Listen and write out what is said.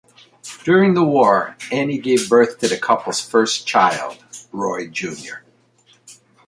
During the war, Annie gave birth to the couple's first child, Roy junior.